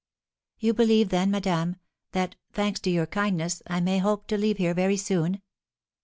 "You believe then, madame, that, thanks to your kindness, I may hope to leave here very soon?"